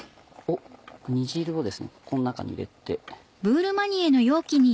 煮汁をこの中に入れて。